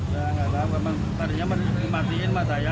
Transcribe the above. tidak tidak apa apa tadinya mesti dimakai masaya